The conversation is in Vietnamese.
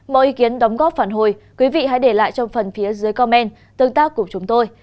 mọi ý kiến đóng góp phản hồi quý vị hãy để lại trong phần phía dưới commen tương tác của chúng tôi